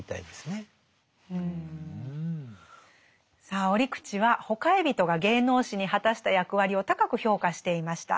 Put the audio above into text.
さあ折口はほかひびとが芸能史に果たした役割を高く評価していました。